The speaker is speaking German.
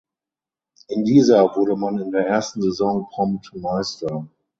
In dieser wurde man in der ersten Saison prompt Meister.